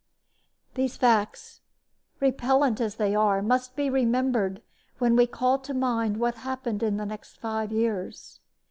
These facts, repellent as they are, must be remembered when we call to mind what happened in the next five years.